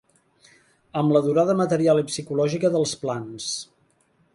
Amb la durada material i psicològica dels plans.